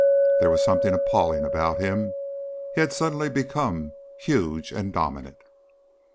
There was something appalling about him; he had suddenly become huge and dominant.